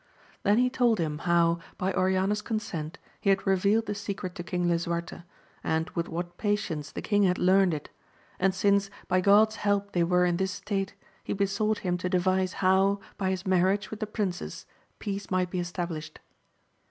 Then he told him how, by Oriana's consent, he had revealed the secret to Eang Lisuarte, and with what patience the king had learnt it ; and since, by God*s help they were in this state, he besought him to devise how, by his marriage with the princess, peace might be established.